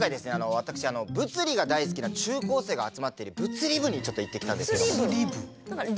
私物理が大好きな中高生が集まっている物理部にちょっと行ってきたんですけども。